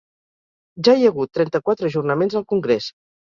Ja hi ha hagut trenta-quatre ajornaments al congrés.